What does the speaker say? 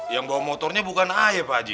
yang bawa motornya bukan ayah pak ji